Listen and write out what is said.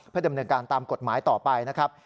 ดำเนินการตามกฎหมายต่อไปนะครับ